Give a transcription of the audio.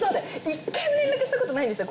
一回も連絡したことないんですよ